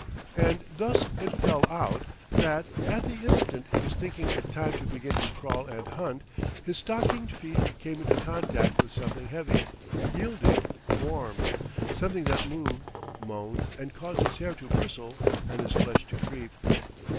And thus it fell out that, at the instant he was thinking it time to begin to crawl and hunt, his stockinged feet came into contact with something heavy, yielding, warm something that moved, moaned, and caused his hair to bristle and his flesh to creep.